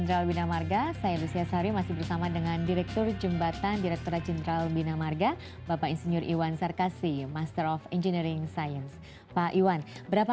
sakura genauwall maarga saya lucia shariam asyik bersama dengan direktur jembatan direkturat general bina marga bapak insenior iwan sir kasih master of engineering science pak iwan berapa